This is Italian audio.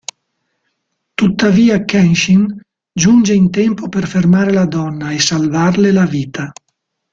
Tuttavia Kenshin giunge in tempo per fermare la donna e salvarle la vita.